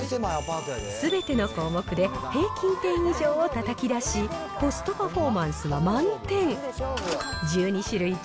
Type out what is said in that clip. すべての項目で平均点以上をたたき出し、コストパフォーマンスは満点。